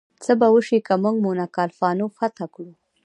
څه به وشي که موږ مونافالکانو فتح کړو؟